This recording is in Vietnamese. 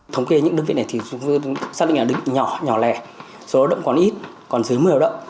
thống kê những đơn vị này thì xác định là đơn vị nhỏ nhỏ lẻ số lợi động còn ít còn dưới một mươi lợi động